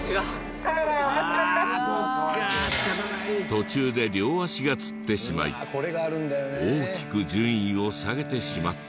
途中で両足がつってしまい大きく順位を下げてしまった。